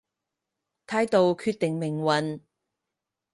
態度決定命運